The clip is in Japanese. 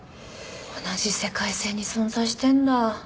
同じ世界線に存在してんだ。